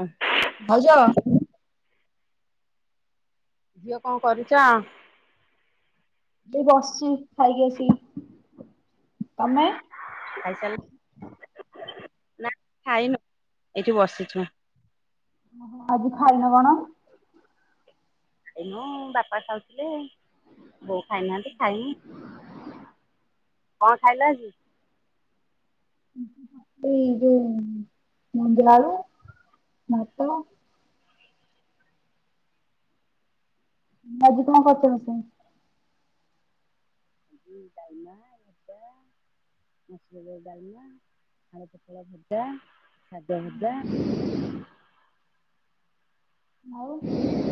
ହଁ। ଭାଉଜ। ଝିଅ କଣ କରୁଚ? ଏଇ ବସିଚି ଖାଇକି ଆସିକି ତମେ? ଖାଇ ସାଇଲ ନା ଖାଇନୁ ଏଇଠି ବସିଛୁ। ଓହୋ ଆଜି ଖାଇନ କଣ? ଖାଇନୁ ବାପା ଖାଉଥିଲେ ବୋଉ ଖାଇନାହାନ୍ତି ଖାଇମୁ। କଣ ଖାଇଲ ଆଜି? ଉଁ ଏଇ ଯୋଉ ମଂଜା ଆଳୁ, ଭାତ। ହୁଁ ଆଜି କଣ କରୁଛ ରୋଷଇ? ହୁଁ ଡାଲମା ଭଜା ମସୁର ଡା ଡାଲମା, ଆଳୁ ପୋଟଳ ଭଜା, ଶାଗ ଭଜା ଆଉ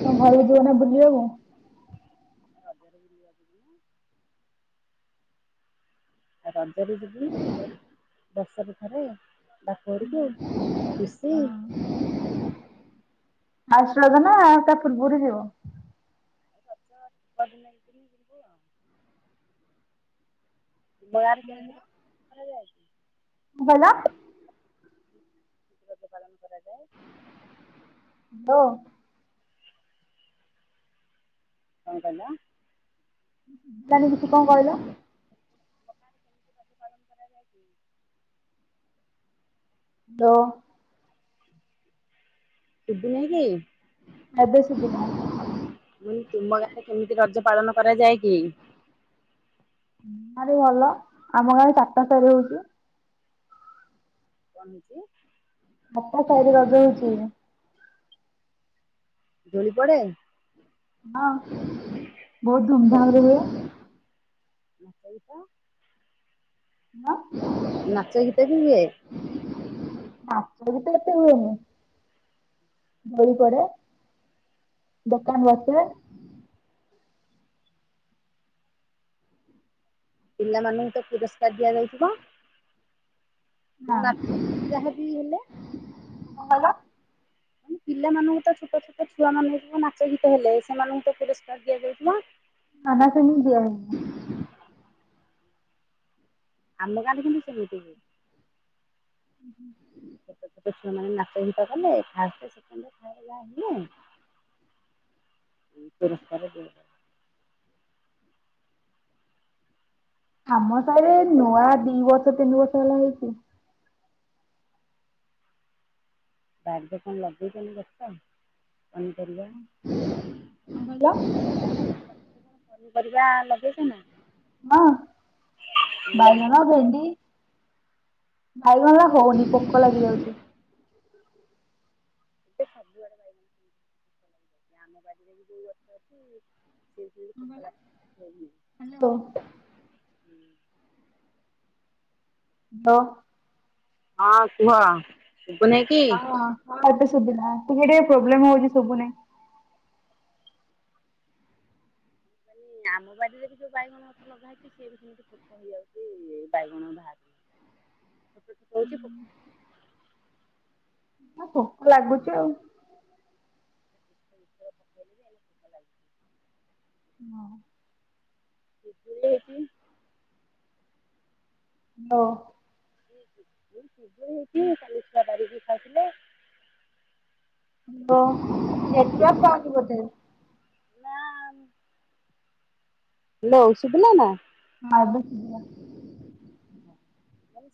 ତମ ଘରକୁ ଯିବ ନା ବୁଲିବାକୁ। [unintelligible] ରଜରେ ଯିବି ଆଉ ବର୍ଷକୁ ଥରେ। ବାପ ଘରକୁ ଖୁସି ଅଶ୍ୱଦାନ ନା ତା ପୂର୍ବରୁ ଯିବ। [unintelligible] ବ୍ୟବହାର କେମତି କରାଯାଏ? ଭଲ। ରଜ ପାଳନ କରାଯାଏ। ବ କଣ କହିଲା। ଜାଣିନି କିଛି କଣ କହିଲା। କହିଲ? ଦ ସୁବୁ ନେଇକି। ଏବେ ସୁବିଲା। ମୁଁ ତୁମ ଗାଁରେ କେମିତି ରଜ ପାଳନ କରାଯାଏ କି? ହୁଁ ଗାଁରେ ଭଲ ଆମ ଗାଁରେ ଚାରିଟା ତରୀ ହଉଛି। କଣ ହେଇଛି। ଆଟା ସାହିରେ ରଜ ହଉଚି। ଦୋଳି ପଡ଼େ। ହଁ ବହୁତ ଧୁମଧାମ ରେ ହୁଏ। ଆ ସେଇ ତ ମାଁ ନାଚ ଗୀତ ବି ହୁଏ। ନାଚ ଗୀତ ଏତେ ହୁଏନି। ଦୋଳି ପଡେ ଦୋକାନ ବସେ। ପିଲାମାନଙ୍କୁ ତ ପୁରସ୍କାର ଦିଆଯାଇଥିଲା ମୁଁ ନା ଯାହା ବି ହେଲେ କଣ କହିଲ। ପିଲାମାନଙ୍କୁ ତ ଛୋଟ ଛୋଟ ଛୁଆ ମାନଙ୍କୁ ନାଚ ଗୀତ ହେଲେ ସେମାନଙ୍କୁ ତ ପୁରସ୍କାର ଦିଆଯାଉଥିଲା। କହାକୁ ବି ଦିଆ ହେଇନି। ଆମା ଗାଁ ରେ କିନ୍ତୁ ସେମିତି ହୁଏ। ହୁଁ ହୁଁ। ଛୋଟ ଛୋଟ ଛୁଆମାନେ ନାଚ ଗୀତ କଲେ ଫାଷ୍ଟା ସେକଣ୍ଡ ଥାଡେ ଜାହା ହେଲେ ଉଁ ପୁରସ୍କାର ଦିଆଯାଏ। ଆମ ସାହିରେ ନୂଆ ଦି ବର୍ଷ ତିନି ବର୍ଷ ହେଲା ହେଇଚି। ବାଡିରେ କଣ ଲଗେଇଛନ୍ତି ଗଛ ପନି ପରିବା? କଣ କହିଲ। ପନି ପରିବା ଲଗେଇଛନ୍ତି। ମା ବାଇଗଣ, ଭେଣ୍ଡି ବାଇଗଣ ଗୁରା ହଉନି ପୋକ ଲାଗିଯାଉଚି। ସାବୁ ଆଡେ ବାଇଗଣ ପୋକ୍ [unintelligible] ଆମ ବାଡିରେ ବି ଯୋଉ ଗଛ ଅଛି ସେ ପୋକ ଲାଗି ହେଇ ନେଇ। ହ୍ୟାଲୋ। ହ୍ୟାଲୋ। ହଁ କୁହ? ଶୁବୁ ନେଇଁକି କି? ହଁ ଏବେ ସୁବିଲା ଟିକେ ଟିକେ ପ୍ରୋବ୍ଲେମ ହଉଛି ସୁବୁ ନେଇଁ। ମାନେ ଆମ ବାଡିରେ ବି ଯଉ ବାଇଗଣ ଗଛ ଲ ସିଏ ବି ସେମିତି ପୋକ ହେଇଯାଉଛି ବାଇଗଣ ବାହାରିଲେ। ଏ ପୋକ ଲାଗୁଚି ଆଉ। କ [unintelligible] ପିଜୁଳି ହେଇଛି ହାଲୋ। କି ପିଜୁଳି ହେଇଚି କାଲି ଛୁଆ ପାରିକି ଖାଉଥିଲେ। ହ୍ୟାଲୋ ନେଟୱର୍କ ପାଉନି ବୋଧେ। ନା ହ୍ୟାଲୋ ଶୁଭିଲା ନା। ହ ଏବେ ସୁବିଲା।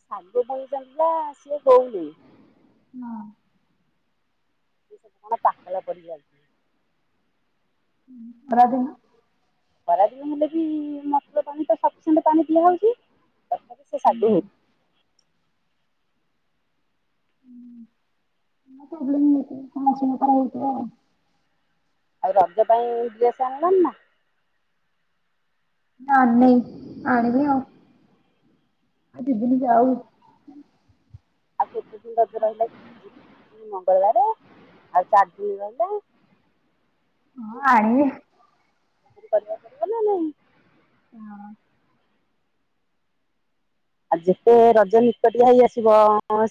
ସାୁ ଭ ଜଲା ଅ ଗଉଲି [unintelligible] ହଁ। ସେ କଣ ପାଖଳ କରିକି ଆାଉଚି। ଖରା ଦିନ। ଖରାଦିନ ହେଲେ ବି ମସୁର ପାଣି ତ ସଫିସିଣ୍ଟ ପାଣି ପିଆହଉଛି ତଥାପି ସେ ସାଗୁ ହୁ ପ୍ରୋବ୍ଲେମ୍ ହଉଥିବ ହଁ ଶୋଇ ପଡ଼ ଉଠପଡ଼। ଆଉ ରଜ ପାଇଁ ଡ୍ରେସ୍ ଆଣିଲନି ନା? ନା ଆଣିନେଇଁ ଆଣିବି ଆଉ। ଆଉ ଦି ଦିନିି ଜାଉ। ଆଉ କେତେ ଦିନ ରଜ ରହିଲା କି ମଙ୍ଗଳବାର ଆଉ ଚାରି ଦିନି ରହିଲା। ହଁ ଆଣିବି। କଲେଜ ଯିବ ନା ନାହିଁ? ହଁ। ଆଉ ଯେତେ ରଜ ନିକଟିଆ ହେଇ ଆସିବ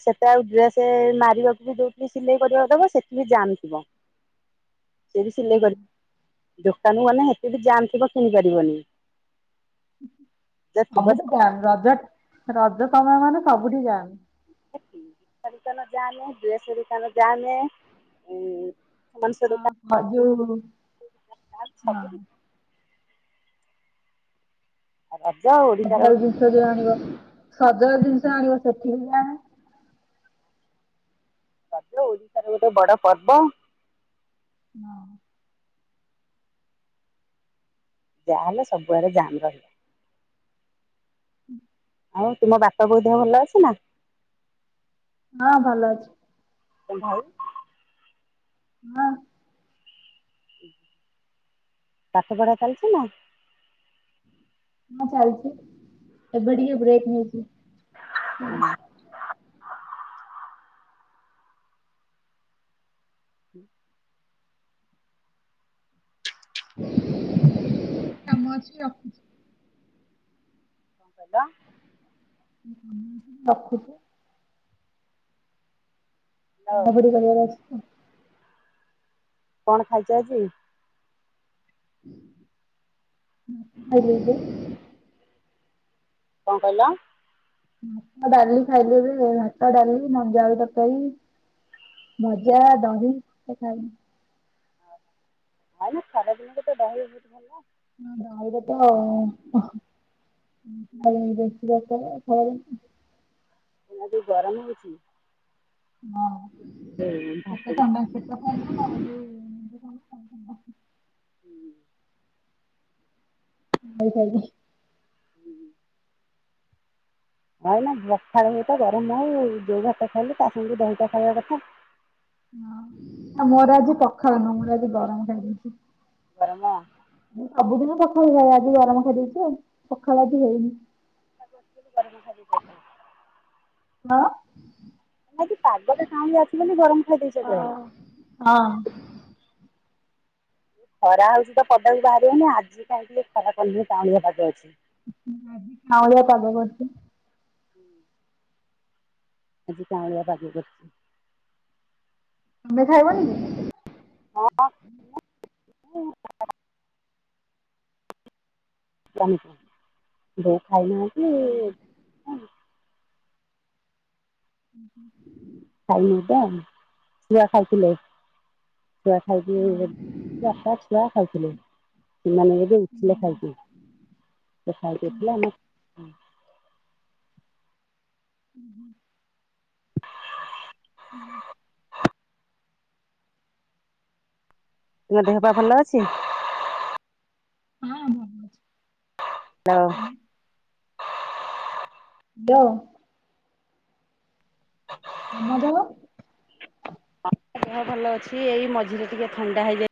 ସେତେ ଆଉ ଡ୍ରେସ୍ ମାରିବାକୁ ବି ଦଉ। ଜଦି ସିଲେଇ କରିବାକୁ ଦେବ ସେଠି ବି ଜାମ୍ ଥିବ ସେ ବି ସିଲେଇ କର। ଦୋକାନ ମାନେ ହେଟି ବି ଯାମଥିବ କିଣି ପାରିବନି। ଯା ଥିବ ତା ସବୁଠି ଜାମ୍ ରଜ ରଜ ସମୟ ମାନେ ସବୁଠି ଯାମ୍। ମିଠା ଦୋକାନ ଜାମ, ଡ୍ରେସ୍ ଦୋକାନ ଜାମ୍। ହଁ ବାଜୁ ହଁ ସବୁଠି [unintelligible] ଆ ଅଜାଉ। ସଜଳ ଜିନିଷ ଯୋଉ ଆଣିବ ସଜଳ ଜିନିଷ ଆଣିବ ସେଠି କି ଯା ରଜ ଓଡିଶାର ଗୋଟେ ବଡ ପର୍ବ। ହଁ। ଯାହାହେଲେ ସବୁଆଡେ ଜାମ୍ ରହିବ। ହୁଁ। ଆଉ ତୁମ ବାପା ବୋଉ ଦେହ ଭଲ ଅଛି ନା,? ହଁ ଭଲ ଅଛି। ଏ ଭଉ ହଁ। ପାଠ ପଢ଼ା ଚାଲିଚି ନା? ହଁ ଚାଲଚି ଏବେ ଟିକେ ବ୍ରେକ ନେଇଚି ଚାଲି। କଣ [inaudible] ହଉ ମୋ କାମ ଅଛି ରଖୁଚି। କଣ କିହିଲ? ରଖୁଚି। ହ୍ୟାଲୋ ଆଉ ଗୋଟେ କରିବାର ଅଛି ତ। କଣ ଖାଇଚ ଆଜି? [inaudible] ହୁଁ ଖାଇଲି ଏବେ। କଁ କହିଲ? ଭାତ ଡାଲି ଖାଇଦେଲି ଭାତ ଡାଲି ମଞ୍ଜା ଆଳୁ ତରକାରୀ। ଭଜା ଦହି ଏଇଟା ଖାଇନି। ଆଇନି ଖରା ଦିନ ତତେ ଦହି ବହୁତୁ ଭଲ। ହଁ ଦହିରେତ ହଁ [unintelligible] ଗାଳିରେ ତ ବେଶୀ ଦରକାର। [unintelligible] ଗରମ ହୋଉଛି। ହଁ ଯୋଉ ପେଟ ଭାତକୁ ଥଣ୍ଡା ପେଟ ଥଣ୍ଡା ଆ ଯୋଉ [unintelligible] [unintelligible] ହୁଁ। ନାଇ ନା ପଖାଳ ଭାତ ଗରମ ହଉ ଯୋଉ ଭାତ ଖାଇଲୁ ତା ସାଙ୍ଗୁ ଦହିଟା ଖାଇବା କଥା। ହଁ ଆ ମୋର ଆଜି ପଖାଳ ନୁହଁ ମୁଁ ଆଜି ଗରମ ଖାଇେଦେଇଛି। ଗରମ। ମୁଁ ସବୁଦିନ ପଖାଳ ଖାଏ ଆଜି ଗରମ ଖାଇ ଦେଇଛି ଆଉ ପଖାଳ ଆଜି ହେଇନି। ଗରମ ଖାଇଦେଇଛ ହଁ। ଆଜି ପାଗ ଟା କାଲିଆ ଅଛି ବୋଲି ଗରମ ଖାଇଦେଇଛ ପ୍ରାଏ ହଁ। ଖରା ହଉଛି ତ ପଦା ବି ବାହାରିବଉନି ଆଜି କାହିଁକି ଖରା କାଲିଆ ପାଗ ଅଛି। ଆଜି କା ଉଳିଆ ପାଗ କରଛି। ଆଜି କାଉଁଳିଆ ପାଗ କରିଛି। ତମେ ଖାଇବନି କି? ହଁ ହଁ। ଜଣି ଯୋଉ ଖାଇନାହାନ୍ତି? ହୁଁ ହୁଁ। ଖାଇନି ତ [unintelligible] ଖାଇଥିଲେ। ଛୁଆ ହଁ ଖାଇଥିଲେ ବାପା ଛୁଆ ଖାଇଥିଲେ। ସେମାନେ ଏବେ ଉଠଥିଲେ ଖାଇକି ସେ ଖାଇକି ଉଠିଲେ ଆମେ ହୁଁ ହୁଁ। ହୁଁ। ତୁମ ଦେହ ପା ଭଲ ଅଛି? ହଁ ଭଲ ଅଛି। ଲ ହାଲୋ। ଆମ ଦେହ ହଁ ଦେହ ଭଲ ଅଛି ଏଇ ମଝିରେ ଟିକେ ଥଣ୍ଡା ହେଇଯାଇ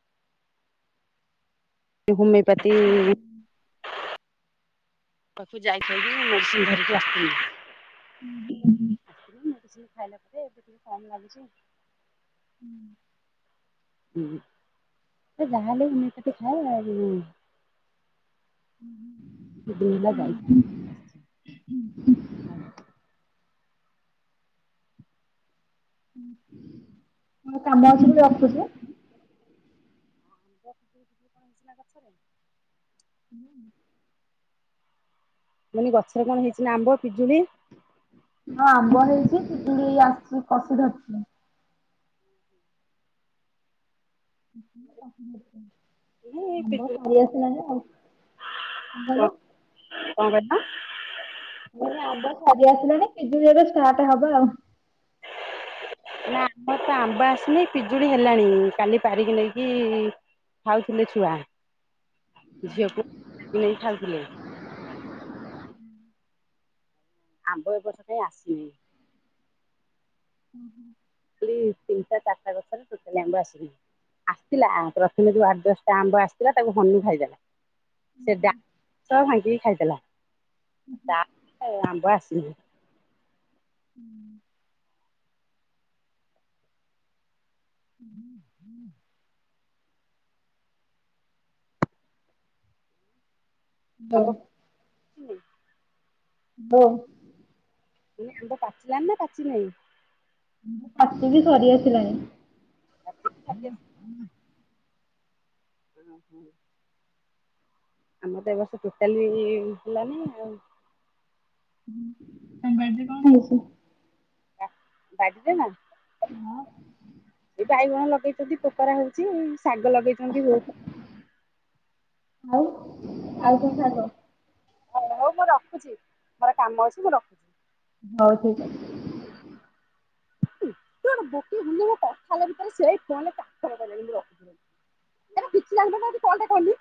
ହୋମିଓପାତି ପାଖକୁ ଯାଇଥିଲି ମେଡିସିନ ଧରିକି ଆସିଥିଲି ଥିଲି। [inaudible] ଖାଇଲା ପରେ ଏବେ ଟିକେ କମ୍ ଲାଗୁଛି। ହୁଁ। ହୁଁ ଯାହାଲେ ହୁମେପା ତି ଖାଏ। ଲା ଯାଇ [unintelligible] ମୋ କାମ ଅଛି ମୁଁ ରଖୁଚି। [unintelligible] ମୁନି ଗଛରେ କଣ ହେଇଚି ନା ଆମ୍ବ ପିଜୁଳି? ହଁ ଆମ୍ବ ହେଇଚି ପିଜୁଳି ଆସିଚି କସି ଧରିଚି। ଆମ୍ବ ପିଜୁଳି ଫଳି ଆସିଲଣି ଆଉ। କଣ କହିଲ? କଣ କହିଲ? ମୁଁ କନି ଆମ୍ବ ସାରି ଆସିଲାଣି ପିଜୁଳି ଏବେ ଷ୍ଟାର୍ଟ ହବ ଆଉ। ନା ଆମ ତ ଆମ୍ବ ଆସିନି ପିଜୁଳି ହେଲାଣି କଲି ପାରିକି ନେଇକି ଖାଉଥିଲେ ଛୁଆ ଝିଅକୁ ନେଇ ଖାଉଥିଲେ। ଆମ୍ବ ଏ ବର୍ଷ କାଇଁ ଆସିନି। ହୁଁ ହୁଁ। ଖାଲି ତିନିଟା ଚାରିଟା ଗଛରେ ଟୋଟାଳେ ଆମ୍ବ ଆସିିନି। ଆସିଥିଲା ଆଉ ପ୍ରଥମେ ଯୋଉ ଆଠ ଦଶଟା ଆମ୍ବ ଆସିଥିଲା ତାକୁ ହନୁ ଖାଇଦେଲା। ସେ ଡାଳ ସହ ଭାଙ୍ଗିକି ଖାଇଲା ତା ପରେ ଆମ୍ବି ଆସିନି। ହୁଁ। ହୁଁ ହୁଁ। ହଁ ଆମ୍ବ [unintelligible] ପାଚିନି ହ [unintelligible] ମାନ ଆମ୍ବ ପାଚିଲାନି ନା ପାଚିନେଇଁ? ପାଚିକି ସରି ଆସିଲାଣି। ଓହୋ ଆମର ହୁଁ। ଓହୋ ଆମର ଏ ବର୍ଷ ଟୋଟାଲେ ବି ହେଲାନି ଆଉ। ହୁଁ ତମ ବାଡ଼ିରେ କଣ ହଇଚି? ବାଡ଼ିରେ ନା? [unintelligible] ଏ ବାଇଗଣ ଲଗେଇଚନ୍ତି ପୋକରା ହଉଚି ଶାଗ ଲଗେଇଚନ୍ତି ବହୁତ ଆଉ ଆଉ କଣ ଶାଗ? ହଉ ହଉ ମୁଁ ରଖୁଚି ମୋର କାମ ଅଛି ମୁଁ ରଖୁଚି। ହଉ ଠିକ୍ ଅଛି। [unintelligible] ସେଟା କିଛି ଯାଣି ପାରୁନେହିଁ ତାକତି କଲ୍ ଟା କଲୁ।